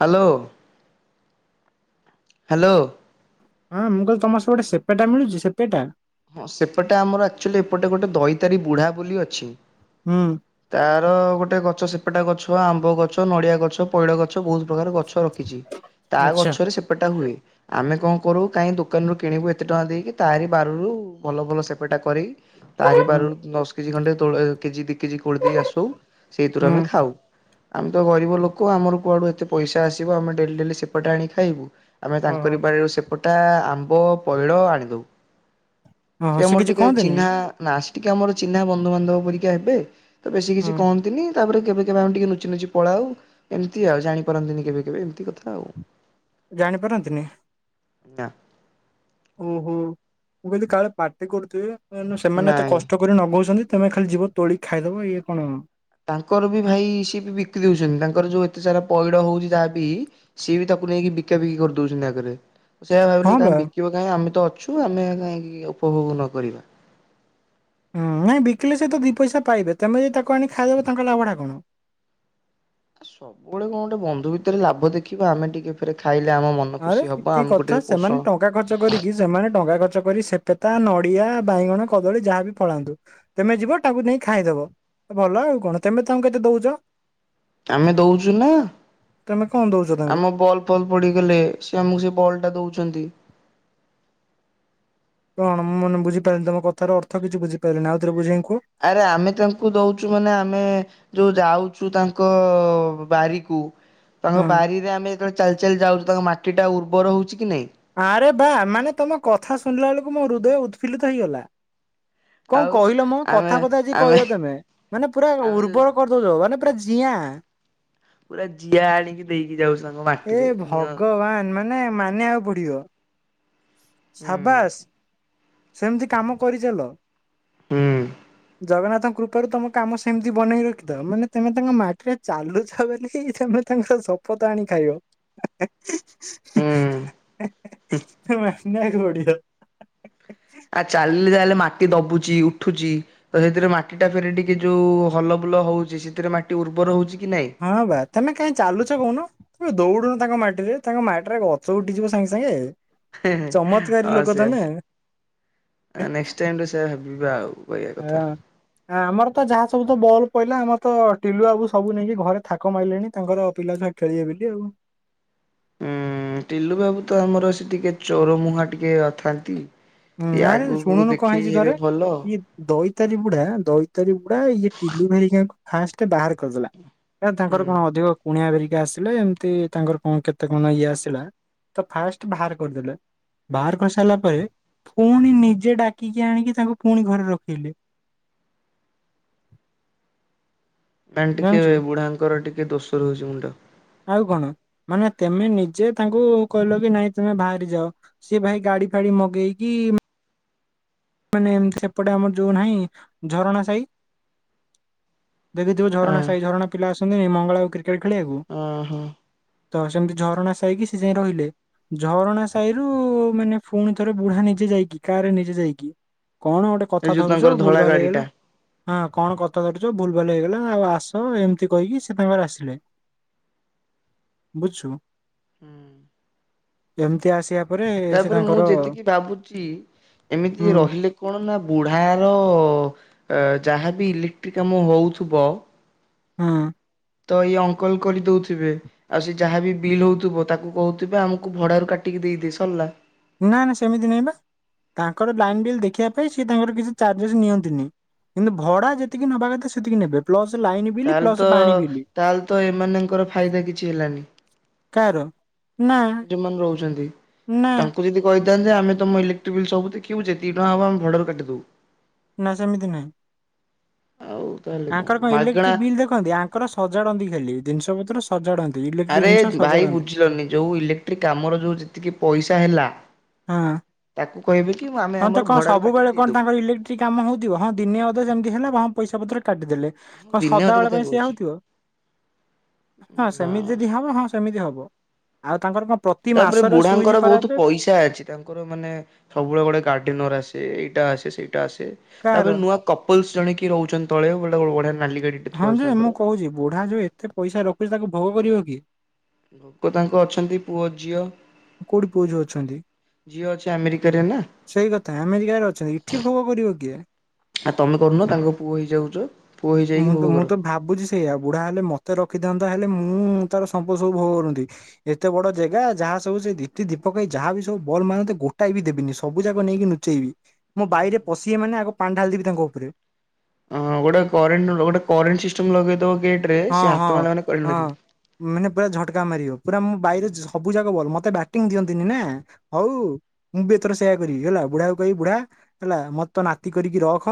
Hello. Hello. ହଁ ମୁଁ କହିଲି ତମ ସ ଗୋଟେ ସେପେଟା ମିଳୁଛି ସେପେଟା। ହଁ ସେପଟେ ଆମର ଆକ୍ଚୁଆଲି ଏପଟେ ଗୋଟେ ଦଇତାରୀ ବୁଢା ବୋଲି ଅଛି। ହୁଁ। ର ଗୋଟେ ଗଛ ସେପଟା ଗଛ ଆମ୍ବ ଗଛ ନଡିଆ ଗଛ ପଇଡ ଗଛ। ବହୁତ ପ୍ରକାର ଗଛ ରଖିଛି ତା ଆଚ୍ଛା ଗଛରେ ସେପଟା ହୁଏ। ଆମେ କଣ କରୁ କାହିଁ ଦୋକାନରୁ କିଣିବୁ ଏତେ ଟଙ୍କା ଦେଇକି ତାରି ବାରରୁ ଭଲ ଭଲ ସେପେଟା କରିିକ। ତାରି ହୁଁ ବାରରୁ ଦଶ କେଜି ଖଣ୍ଡେ ତଳ କେଜି ଦ। କିଛି କୋ ଦେଇ ଆସ ସେଇଥିରୁ ହୁଁ ଆମେ ଖାଉ। ଆମେ ତ ଗରିବ ଲୋକ ଆମର କୁଆଡୁ ଏତେ ପଇସା ଆସିବ ଆମେ ଡେଲି ଡେଲି ସେପଟେ ଆଣି ଖାଇବୁ। ଆମେ ତାଙ୍କରି ଓହୋ ବାଡ଼ିରୁ ସେପଟା ଆମ୍ବ ପଇଳ ଆଣିଦଉ। ସେ ଓହୋ ମୋର କିଛି ଟିକେ କହନ୍ତିନି ଚିହ୍ନା ନାସ। ଟିକେ ଆମର ଚିହ୍ନା ବନ୍ଧୁବାନ୍ଧବ ପରିକକ୍ଷା ହେବେ ତ ବେଶୀ ହଁ କିଛି କହନ୍ତିନି। ତାପରେ କେବେ କେବେ ଆମେ ଟିକେ ନୁଚି ନୁଚି ପଳା ଆଉ ଏମିତି ଆଉ ଜାଣିପାରନ୍ତିନି କେବେ କେବେ ଏମିତି କଥା ଆଉ। ଜାଣିପାରନ୍ତିନି। ନା ନା। ଓହୋ ମୁଁ କହିଲି କାଳେ ପାର୍ଟି କରୁଥିବି କ ସେମାନେ ଏତେ ନାଇଁ କଷ୍ଟ କରି ନଗଉଛନ୍ତି। ତମେ ଖାଲି ଯିବ ତୋଳି ଖାଇଦବ ଇଏ କଣଣ। ତାଙ୍କର ବି ଭାଇ ସିଏ ବି ବିକ୍ରି ଦଉଛନ୍ତି ତାଙ୍କର ଯୋଉ ଏତେ ସାରା ପଇଡ ହଉଛି ତାହା ବି ସିଏ ବି ତା। ତାକୁ ନେଇକି ବିକା ବିକି କରି ଦଉଛି ନା ଆଗରେ। ସେଇଆ ହଁ ଭାବିଲେ ବା କାହି ବିକିବ କାହିଁ ଆମେ ତ ଅଛୁ ଆମେ କାହିଁକି ଉପଭୋଗ ନକ। ହୁଁ ନାଇଁ ବିକିଲେ ସେ ତ ଦୁି ପଇସା ପାଇବେ ତମେ ଯଦି ତାକୁ ଆଣି ଖାଇଦବ ତାଙ୍କ ଲାଭଢା କଣ। ସବୁବେଳେ କଣ ଗୋଟେ ବନ୍ଧୁ ଭିତରେ ଲାଭ ଦେଖିବା ଆମେ ଟିକେ ଫ ଖ। ଆରେ କି କଥା ସେମାନେ ଟଙ୍କା ଖର୍ଚ୍ଚ କରିକି ସେମାନେ ଟଙ୍କା ଖର୍ଚ୍ଚ। କରି ସେପେତା ନଡିଆ ବାଇଗଣ କଦଳୀ ଯାହାବି ପଳାନ୍ତୁ ତମେ ଯିବ ତାକୁ ନେଇ ଖାଇଦବ। ଭଲ ଆଉ କଣ ତମେ ତମକୁ କେତେ ଦଉଛ। ଆମେ ଦଉଛୁ ନା ତମେ କଣ ଦଉଛ ତାଙ୍କୁ? ଆମ ବଲ ଫଲ ପଡିଗଲେ ସେ ଆମକୁ ସେ ବଲ ଟା ଦଉଛନ୍ତି। କଣ ମୁ ମାନ ବୁଝିାରିଲି ତ କଥ ଅର୍ଥ କିଛି ବୁଝିାରିଲି ଆଉଥରେ ବୁଝି। ଆରେ ଆମେ ତାଙ୍କୁ ଦଉଛୁ ମାନେ ଆମେ ଯୋଉ ଯାଉଛୁ ତାଙ୍କ ବାରିକୁ ହଁ ତାଙ୍କ ବାରିରେ ଆମେ େ ଚାଲି ଚାଲି ଯାଉଛି ତାଙ୍କ ମାଟି ଟା ଉର୍ବର ହଉ କି ନାଇଁ? ଆରେ ବା ମାନେ ତମ କଥା ଶୁଣିଲା ବେଳକୁ ମୋ ହୃଦୟ ଉତ୍ଫୁଲ୍ଲିତ ହେଇଗଲା। କଣ ଆଉ କହିଲ ମୁଁ ଆମେ କଥାବତା ଯ ଆମେ କହିଲ ତମେ ମାନେ ପୁରା ଆମେ ଯୋଉ ଉର୍ବର କରିଦଉଛ ମାନେ ଅପ ଯଆ ପୁରା ଜିଆ ଆଣିକି ଦେଇକି ଯାଉଛ ତାଙ୍କ ମାଟିରେ ନିଅ ମେ ମାନିବାିବାକୁ ପଡିବ। ସାବାସ ସେମିତି କାମ କରିଚଲ। ହୁଁ। ଜଗନ୍ନାଥଙ୍କ କୃପାରୁ ତୁମ କାମ ସେମିତି ବନେଇ ରଖିଦଅ ମାନେ ତମେ ତାଙ୍କ ମାଟିରେ ଚାଲୁଛ ବୋଲିମେ। ତାଙ୍କର ସପତା ଆଣି ଖାଇବ। ହୁଁ ମନ୍ୟ ଖୋଡ଼ି [unintelligible] ଆ ଚାଲିଲି ଯଲେ। ମାଟି ଦବୁଛି ଉଠୁଛି ତ ସେଥିରେ ମାଟି ଟା ଫେରେ ଟିକେ ଯୋଉ ହଲ ବୁଲ ହଉଛି ସେଥିରେ ମାଟି ଉର୍ବର ହଉଛି କି ନାଇଁ? ହଁ ଭାଇ ତମେ କାଇଁ ଚାଲୁଛ କହୁନ ଦୌଡ଼ୁ ତାଙ୍କ ମାଟିରେ ତାଙ୍କ ମାଟିରେ ଗଛ ଉଠିଯିବ ସାଙ୍ଗେ ସାଙ୍ଗେ। ଚମତ୍କାରୀ ହ ଲୋକ ସେ ତମେ ହଁ। ନେ ଟାଇ ସେବିବା ଆଉ କହିବା କଥା। ହଁ ଆମର ତ ଯାହା ସବୁ ତ ବଲ୍ କହିଲ ଆମ ତ ଟିଲୁ ଆବୁ ସବୁ ନେଇକି ଘରେ ଥାକ ମାରିଲେଣି ତାଙ୍କର ପିଲା ଛୁଆ ଖେଳିବେ ବୋଲି ଆଉ ହୁଁ ଟିଲୁ ବାବୁ ତ ଆମର ସେ ଟିକେ ଚୋରମହାଁ ଟିକେ ଅଥାନ୍ତି ହୁଁ ନରେ ଶୁଣୁନୁ କଣ ହେଇଛି ତରେ ଭଲ ଇଏ ଦଇ ାରୀ ବୁଢା ଦୈତାରୀ ବୁଢା ଇଏ ଟିଲୁ ଭେରିକା ଫାଷ୍ଟ ବାହାର କରିଦେଲା। ନା ହୁଁ। ତାଙ୍କର କଣ ଅଧିକ କୁଣିଆ ବରିକ। ଆସିଲେ ଏମିତି ତାଙ୍କର କଣ କେତେ ମାନ ଇଏ ଆସିଲା ତ ଫାଷ୍ଟ ବାହାର କରିଦେଲେ। ବାହାର କରି ସାରିଲା ପରେ। ପୁଣି ନିଜେ ଡାକିକି ଆଣିକି ତାଙ୍କୁ ପୁଣି ଘରେ ରଖେଇଲେ [inaudible] ମ ଟିକେ ଜାଣିଛୁ ବୁଢାଙ୍କର ଟିକେ ଦୋଷ ରଉଛି ମୁଣ୍ଡ ଆଉ କଣ ମାନେ ତମେ ନିଜେ ତାଙ୍କୁ କହିଲ କି ନାଇଁ ତମେ ବାହାରି ଯାଅ ସିଏ ଭାଇ ଗାଡି ଫାଡି ମଗେଇକି ମାନେ ଏମତି ସେପଟେ ଆମର ଯୋଉ ନାହିଁ ଝରଣା ସାହି ଦେଖିଥିବୁ ଝରଣା ହଁ ସାହି ଝରଣା ପିଲା ଆସନ୍ତିି ମଙ୍ଗଳା ଆଉ ଓ ହୋ। ତ ସେମିତି ଝରଣା ସାଇକି ସେ ଯାଇଏ ରହିଲେ। ଝରଣା ସାହିରୁ ମାନେ ପୁଣି ଥରେ ବୁଢା ନିଜେ ଯାଇକି କା ରେ ନିଜେ ଯାଇକି। କଣ ଗୋଟେ ଏ କଥା ଯୋଉ ଧରୁଛ ତାଙ୍କର ଭୁଲ ଧଳା ଭାଲ ଗାଡିଟା। ହେଇଗଲା। ହଁ କଣ କଥା ଧରୁଛ ଭୁଲ ଭଲ ହେଇଗଲା ଆଉ ଆସ ଏମିତି କହିକି ସେ ତାଙ୍କଙ୍କରେ ଆସିଲେ। ବୁଝଛୁ ଏମତି ଆସି। ତାପରେ ମୁଁ ଯେତିକି ଭାବୁଛି ଏମିତି। କି ହୁଁ ରହିଲେ କଣ ନା ବୁଢାର। ଅ ଯାହାବି ଇଲେକ୍ଟ୍ରି କାମ ହଉଥିବ। ହୁଁ। ତ ଏଇ ଅଙ୍କଲ କରିଦଉଥିବେ ଆଉ ସେ ଯାହାବି ବିଲ୍ ହଉଥିବ ତାକୁ କହୁଥିବେ ଆମକୁ ଭଡାରୁ କାଟିକି ଇ ସଲ ନା ନା ସେମିତି ନାଇଁ ବା ର କିଛି ଚ ନିଅନ୍ତିି କିନ୍ତୁ ଭକି ନବା କଥାତିକି ନ ପ୍ଲ ତାହେଲେ ତ ତାହେଲେ ତ ଏମାନଙ୍କର ଫାଇଦା କିଛି ହେଲାନି। କାହାର? ନା ଯୋଉମାନେ ରହୁଛନ୍ତି ନା ତାଙ୍କୁ ଯଦି କହିଥାନ୍ତେ ଆମେ ତମ ଇଲେକ୍ଟ୍ରିଲ୍ ସବୁ ଉଛେ ଦି ଟଙ୍କା ହବ ଆେ ଭଡ କଟିଦବୁ ନା ସେମିତି ନାହିଁ। ଆଉ ତାହେଲେ ଆଙ୍କର କଣ ମାଗଣା ଇଲେକ୍ଟ୍ରିକ ବିଲ୍ ଦେଖନ୍ତି ଆଙ୍କର ସଜାଡନ୍ତି ଖାଲି ଜିନିଷ ପତ୍ର ସଜାଡନ୍ତି ଇଲେକ୍ଟ୍ରିକ ଆରେ ଜିନିଷ ଭାଇ ସଜାଡନ୍ତି। ବୁଝିଲନି ଯୋଉ ଇଲେକ୍ଟ୍ରିକ କାମର ଯୋଉ ଯେତିକି ପଇସା ହେଲା। ହଁ। ତାକୁ କହିବେ କି ଆମେ ହଁ ତ ଆମର କଣ ଭଡାରୁ କାଟିକି ସବୁବେଳେ କଣ ଦେଇଦବୁ। ତାଙ୍କର ଇଲେକ୍ଟ୍ରିକ କାମ ହଉଥିବ ହଁ ଦିନେ ଅଧ ଯେମିତି ହେଲା ହଁ। ପଇସାତ୍ର କାଟିଦେଲେ। ହଁ କଣ ଦିନେ ଅଧେ ସଦାବେଳେ କଥା ପାଇଁ ସେିଆ କହୁଛି। ହଉଥିବ ହଁ ସେମିତି ଯଦି ହବ ହଁ ସେମିତି ହବ। ଆଉ ତାଙ୍କର କଣ? ପ୍ରତି ତାପରେ ମାସରେ ସୁଇଚ୍ ବୁଢାଙ୍କର ବହୁତ ଖରାପେ ପଇସା ଅଛି ତାଙ୍କର ମାନେ ସବୁବେଳେ ଗୋଟେ କାଟ। ଆସେ ଏଇଟା ଆସେ ସେଇଟା ଆସେ କାହାର ତାପରେ ନୂଆ କପଲସ ଜଣି ରହୁଛନ୍ତି। ତଳେଳ ଉଡ଼େ ନଲି ହଁ ଯେ ମୁଁ କହୁଛି ବୁଢା ଯୋଉ ଏତେ ପଇସା ରଖୁଛି ତାକୁ ଭୋଗ କରିବ କି ଲୋକ ତାଙ୍କ ଅଛନ୍ତି ପୁଅ ଝିଅ କୋଉଠି ପୁଅ ଯୋଉ ଅଛନ୍ତି ଝିଅ ଅଛି ଆମେରିକାରେ ନା ସେଇ କଥା ଆମେରିକାରେ ଅଛନ୍ତି ଏଠି ଭୋଗ କରିବ କିଏ? ଆଉ ତମେ କରୁନ ତାଙ୍କ ପୁଅ ହେଇଯାଉଛ ପୁଅ ହେଇଯାଇକି ମୁଁ ତ ଭୋଗ ମୁଁ କର। ତ ଭାବୁଛି ସେଇଆ ବୁଢା ହେଲେ ମତେ ରଖିଥାିଅନ୍ତୁଗ। ହେଲେ ମୁଁ ତାର ସମ୍ପର୍ଦ ସବୁ ଭୋଗ କରନ୍ତି ଏତେ ବଡ ଜାଗା ଯାହା ଦି ଦୀପକ ଯାହା ବି ସବୁ ବଲ ମେ ଗୋଟା ବି ଦେବିନି ସବୁ ଯାକ ନେଇକି ନୁଚେଇବି ମୁୋ ବାଇରେ ପଶି ମାନେ ଆଗ ପାଣି ଢାଦବି ତାଙ୍କ ଉପରେ ହଁ ଗୋଟେ କ ଗୋଟେ କାରେଣ୍ଟ ସିଷ୍ଟମ ଲଗେଇଦବ ହଁ ସେ ହଁ ହାତ ମା ମାନେ କରି ହଁ। ନାରିବ ମାନେ ପୁରା ଝଟକା ମାରିବ ପୁରା ବାାଇରେ ସବୁ ଯା ବେ େ ବଂ ଦିଅନ୍ତିନି ନା ହଉ ମୁଁ ବି ଏଥର ସେୟା କରିବି ହେଲା ବୁଢା କ ବୁଢା ହେ ତ ନାତି କରିକି ରଖ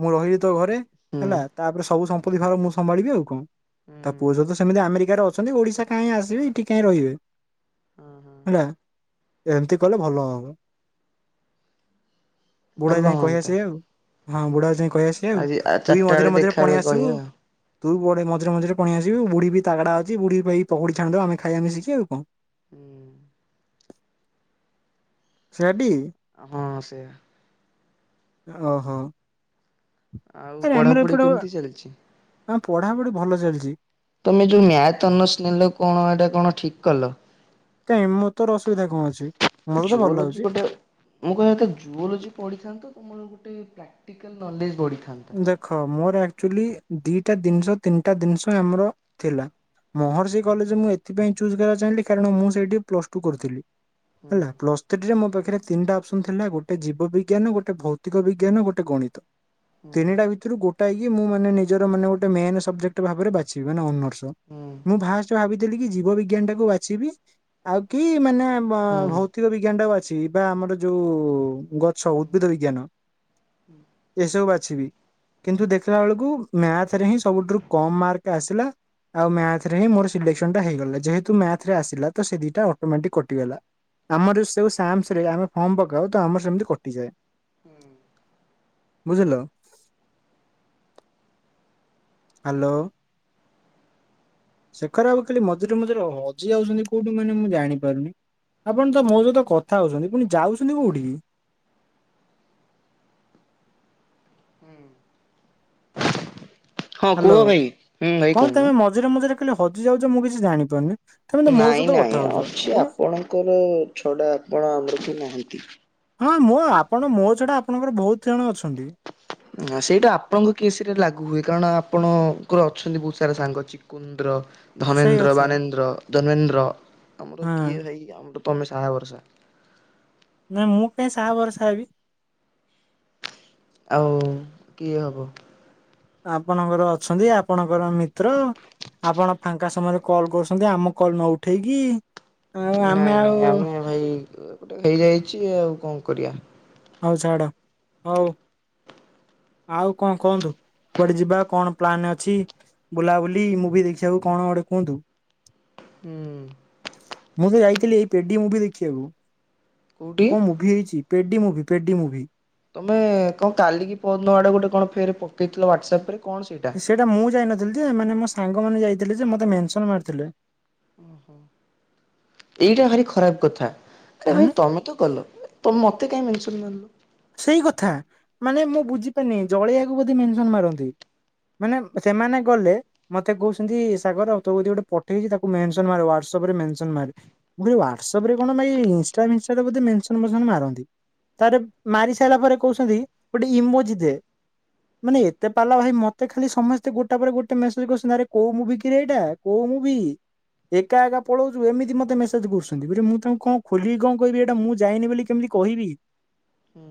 ମୁଁ ରହିଲି। ଘରେ ହୁଁ ହେଲା ତାପରେ ସବୁ ସମ୍ପତ୍ତି ଭାର ମୁଁ ସମ୍ଭାଳିବି ଆଉ କଣ ତା ପୁଅଝ ତ ହଁ ସେମିତି ଆମେରିକାରେ ଅ ଛନ୍ତି ଓଡିଶା କାହିଁ ଆସିବେ ଏଇଠି କାହିଁ ରହିବେ। ହଁ ହେଲା ଏମିତି କଲେ ଭଲ ହବ। ବୁଢା ଭଲ ଯାଇ ହୁଅନ୍ତା। କହିଆସିବେ ଆଉ ହଁ ବୁଢା ଯାଇ କହି ଆସ ଆଉ ଆଜି ତୁଇ ଚାରିଟା ମଝିରେ ବେଳେ ମଝିରେ ପଣିେଇ ଦେଖାହେଲେ ଆସିବୁ। କହିବା ଆଉ। ତୁ ବଡ ମଝିରେ ମଝରେଣି ଆସୁ ବୁଢୀ ବି ତାାଗଡା ଅଛି ବୁଢୀ ପୋଡି ଛାଣିଦ ଆେ ଖାଇ ଆମେ ଶିଖିବା ଆଉ କଣ? ହୁଁ। ସେଠ ହଁ ସେଇଆ ଓ ହୋ। ଆଉ ଆରେ ଆମର ପଢାପଢି ଏପଟେ କେମିତି ଚାଲିଛି? ପଢାପଟେ ଭଲ ଚାଲିଛି। ତମେ ଯୋଉ ମ୍ୟା ତନସ୍ନେିଲ କଣ ଏଇଟା କଣ ଠିକ କଲ କାଇହିଁ ମୁଁ ତୋର ଅସୁବିଧା କଣ ଅଛି ମୋ ତ ତ ଭଲ ଜୁଓଲୋଜି ଲାଗୁଛି। ଗୋଟେ ମୁଁ କହିବା କ ଜୁଓଲୋଜି ପଢିଥାନ୍ତୁ ତମର ଗୋଟେ ପ୍ରାକ୍ଟିକାଲ ନଲେଜ ବଢିଥା। ଦେଖ ମୋର ଆକ୍ଚୁଆଲି ଦିଟା ଜିନିଷ ତିନିଟା ଜିନିଷ ଆମର ଥିଲା। ମହର୍ଷି କଲେଜ୍ ମୁଁ ଏଥିପାଇଁ ଚୁଜ୍ କରିବାକୁ ଚାହିଁଲି କାରଣ ମୁଁ ସେଇଠି ପ୍ଲସ ଟୁ କରିଥିଲି। ହୁଁ ହେଲା ପ୍ଲସ୍ ଥ୍ରୀରେ ମୋ ପାଖରେ ତିନଟା ଅପସନ ଥିଲା ଗୋଟେ ଜୀବ ବିିଜ୍ଞାନ ଗୋଟେ ଭୌତିକ ବିଜ୍ଞାନ ଗୋଟେ ଗଣିତ ହୁଁ ତିନିଟା ଭିତରୁ ଗୋଟିଏ କି ମୁଁ ମାନେ ନିଜର ମାନେ ଗୋଟେ ମେନ୍ ସବଜେକ୍ଟ ଭାବରେ ବାଛିବି ମନେ ହନର୍ସ। [unintelligible] ହୁଁ ମୁଁ ଫାର୍ଷ୍ଟ ଭାବିଥିଲି କି ଜୀବ ବିଜ୍ଞାନ ଟା କୁ ବାଛିବି ଆଉ କି ମାନେ ଭ ହୁଁ ଭୌତିକ ବିଜ୍ଞାନ ଟା ଅଛି ବା ଆମର ଯୋଉ ଗଛ ଉଦ୍ଭିଦ ବିଜ୍ଞାନ, ଏସବୁ ବାଛି ବି। କିନ୍ତୁ ଦେଖିଲା ବେଳକୁ ମ୍ୟାଥରେ ହିଁ ସବୁଠାରୁ କମ ମାର୍କ ଆସିଲା। ଆଉ ମ୍ୟାଥ ରେ ହିଁ ମୋର ସିଲେକ୍ସନଟା ହେଇଗଲା। ଯେହେତୁ ମ୍ୟାଥ ରେ ଆସିଲା ତ ସେ ଦିଟା ଅଟୋମେଟିକ କଟିଗଲା। ଆମର ସବୁ ସାମ୍ସରେ ଆମେ ଫର୍ମ ପକାଉ ତ ଆମର ସେମିତି କଟିଯାଏ। ହୁଁ। ବୁଝିଲ? ହ୍ୟାଲୋ? ଶେଖର ବାବୁ ଖାଲି ମଝିରେ ମଝିରେ ହଜି ଯାଉଛନ୍ତି କୋଉଠି ମାନେ ମୁଁ ଜାଣିପାରୁନି! ଆପଣ ତ ମୋ ସହିତ କଥା ହଉଛନ୍ତି, ପୁଣି ଯାଉଛନ୍ତି କୋଉଠିକି? ହଁ ହ୍ୟାଲୋ କୁହ ଭାଇ ହୁଁ ଭାଇ କଣ କହୁନ। ତମେ ମଝିରେ ମଝିରେ ଖାଲି ହଜି ଯାଉଛ ମୁଁ କିଛି ଜାଣିପାରୁନି? ତମେ ତ ମୋ ନାଇଁ ସହିତ କଥା ନାଇଁ ହଉଛ ଅଛି ପୁଣି ଆପଣଙ୍କର ଛଡା ଆପଣ ଆମର ବି ନାହାନ୍ତି। ହଁ ମୋ ଆପଣ ମୋ ଛଡା ଆପଣଙ୍କର ବହୁତ ଜଣ ଅଛ ନା ସେଇଟା ଆପଣଙ୍କୁ କେସ୍ ରେ ଲାଗୁ ହୁଏ କାରଣ ଆପ ଆପଣଙ୍କର ଅଛନ୍ତି ବହୁତ ସାରା ସାଙ୍ଗ ଚିକୁନ୍ଦ୍ର ସେଇ ଧନେନ୍ଦ୍ର କଥା ବାନେନ୍ଦ୍ର। ଧର୍ମେନ୍ଦ୍ର ଆମର ହଁ। କିଏ ହେଇ ଆମର ତମେ ସାହାଭରସା। ନା ମୁଁ କାହିଁ ସାହାଭାରସା ହେବି? ହଉ କିଏ ହବ? ଆପଣଙ୍କର ଅଛନ୍ତି ଆପଣଙ୍କର ମିତ୍ର। ଆପଣ ଫାଙ୍କା ସମୟରେ କଲ୍ କରୁଛନ୍ତି ଆମ କଲ୍ ନ ଉଠେଇକି! ଆଉ ଆମେ ନାଇଁ ଆଉ ନାଇଁ ଆମେ ଭାଇ [unintelligible] ଗୋଟେ ହେଇଯାଇଛି ଆଉ କଣ କରିବା। ହଉ ଛାଡ଼, ହଉ। ଆଉ କଣ କହନ୍ତୁ କୁଆଡେ ଯିବା? କଣ ପ୍ଲାନ ଅଛି? ବୁଲାବୁଲି ମୁଭି ଦେଖିକୁୁ କଣ ଗୋଟେ କୁହନ୍ତୁ? ହୁଁ। ମୁଁ ତ ଯାଇଥିଲି ଏଇ ପେଡି ମୁଭି ଦେଖିବାକୁ କୋଉଠି କଣ ମୁଭି ହେଇଛି! ପେଡି ମୁଭି। ପେଡ଼ି ମୁଭି। ତମେ କଣ କାଲିକି ପଦିନ ଆଡେ ଗୋଟେ କଣ ଫେର ପକେଇଥିଲ ହ୍ୱାଟସପ୍ ରେ? ସେଇଟା ମୁଁ ଯାଇନଥିଲି ଯେ, ମାନେ ମୋ ସାଙ୍ଗ ମାନେ ଯାଇଥିଲେି ଯେ ମତେ ମେନ୍ସନ ମାରିଥିଲେ। ଓଃ ଏଇଟା ଭାରି ଖରାପ କଥା ଆରେ ଭାଇ ମାନେ ତମେ ତ ଗଲ ତ ମତେ କାଇଁ ମେନସନ୍ ମାରିଲ? ସେଇ କଥା ମାନେ ମୁଁ ବୁଝିପାରିନି ଜଳେଇବାକୁ ବୋଧେ ମେସନ ମାରନ୍ତି! ମାନେ ସେମାନେ ଗଲେ ମତେ କହୁଛନ୍ତି, ସାଗର ଆଉ ତୋ କତିକି ଗୋଟେ ପଠେଇଚି ତାକୁ ମେନସନ୍ ମାରେ ହୁୱାଟ୍ସ୍ ହୁୱାଟ୍ସପ୍ ରେ ମେନସନ୍ ମାର୍। ମୁଁ କହିଲି ହୁୱାଟ୍ସପ୍ ରେ କଣ ଭାଈ ଇନଷଟା ମିନଷ୍ଟା ରେ ବୋଧେ ମେନସନ୍ ଫେନ୍ସନ୍ ମାରନ୍ତି। ତା ପରେ ମାରି ସାରିଲା ପରେ କହୁଛନ୍ତି ଗୋଟେ ଇମୋଜି ଦେ। ମାନେ ଏତେ ପାଲା ଭାଇ ମତେ ଖାଲି ସମସ୍ତେ ଗୋଟା ପରେ ଗୋଟେ ମେସେଜ କରିଛନ୍ତି ଆରେ କୋଉ ମୁଭି କି ଏଇଟା କୋଉ ମୁଁ ବି। ଏକା ଏକା ପଳଉଛୁ ଏମିତି ମତେ ମେସେଜ କରୁଛନ୍ତି ବୋଲି ମୁଁ ତାଙ୍କୁ କଣ ଖୋଲିକି କଣ କହିବି ଏଇଟା ମୁଁ ଯାଇନି ବୋଲି କେମିତି କହିବି। ହୁଁ।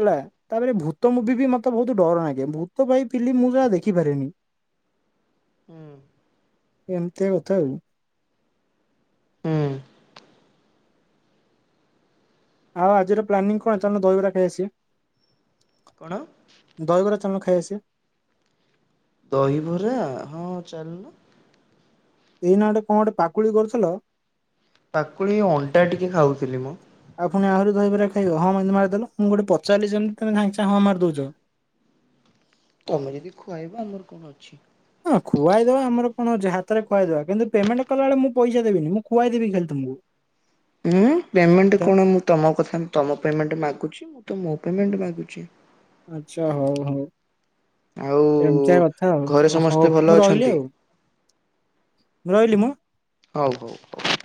ହେଲା ତାପରେ ଭୂତ ମୁଭି ବି ମତେ ବହୁତ ଡର ନାଗେ ଭୂତ ଭାଈ ଫିଲିମ ମୁଁ ଯାହା ଦେଖିପାରେିନି। ହୁଁ ଏମିତିଆ କଥା ଆଉ। ହୁଁ ଆଉ ଆଜିର ପ୍ଲାନିଂ କଣ ଚାଲ ଦହିବରା ଖାଇ ଆସି କଣ ଖାଇ ଆସ ଦହିବରା ହଁ ଚାଲିଲ ଏଇ ନାଟେ କଣ ଗଟେ ପାକୁଳି କରୁଥିଲ ତାକୁଳି ଅଣ୍ଟା ଟିକେ ଖାଉଥିଲି ମୁଁ ଖାଇ ହଁ ମ ମାରିଦେଲ ମୁଁ ଗୋଟେ ପଚାରିଲି ଯେମିତି ତମେ ଭାଛ ହଁ ମାରିଦଉଛ ତମେ ଯଦି ଖୁଆଇବ ଆମର କଣ ଅଛି ହଁ ଖୁଆଇଦବା ଆମର କଣଉଛି ହାତରେୁଆଇଦବା କିନ୍ତୁ ପେମେଣ୍ଟ କଲା ବଳେ ମୁଁଇସ ଦେବି ମୁଁ ଖୁଆଇ ଦେବି ଖାଲି ତ ହୁଁ ହଁ ପେମେଣ୍ଟ କଣ? ମୁଁ ତମ କଥା ତମ ପେମେଣ୍ଟ ମାଗୁଛି [unintelligible] ତ ମୋ ପେମେଣ୍ଟ ମାଗୁଛି ଆଛା ହଉ ହଉ ଆଉ ଏମତିଆ କଥା ଆଉ, ଘରେ ସମସ୍ତେ ହଉ ଭଲ ମୁଁ ରହିଲି ଅଛନ୍ତି? ଆଉ ରହିଲି ମୁଁ ହଉ ହଉ ହଉ-